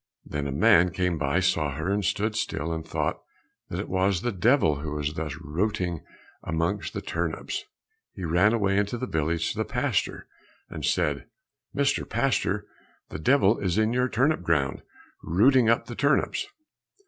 Then a man came by, saw her, and stood still and thought that it was the devil who was thus rooting amongst the turnips. He ran away into the village to the pastor, and said, "Mr. Pastor, the devil is in your turnip ground, rooting up turnips."